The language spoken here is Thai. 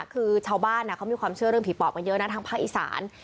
คือชาวบ้านเขามีความเชื่อเรื่องผีปอบกันเยอะนะทางภาคอีสาน